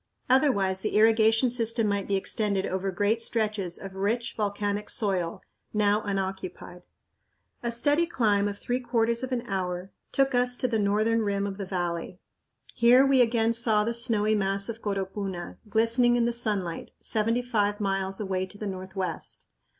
Otherwise the irrigation system might be extended over great stretches of rich, volcanic soil, now unoccupied. A steady climb of three quarters of an hour took us to the northern rim of the valley. Here we again saw the snowy mass of Coropuna, glistening in the sunlight, seventy five miles away to the northwest.